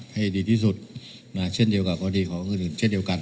ให้ดีที่สุดเช่นเดียวกับกรณีของอื่นเช่นเดียวกัน